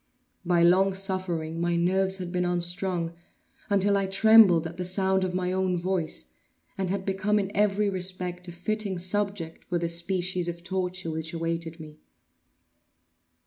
By long suffering my nerves had been unstrung, until I trembled at the sound of my own voice, and had become in every respect a fitting subject for the species of torture which awaited me.